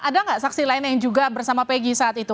ada gak saksi lain yang bersama pegi saat itu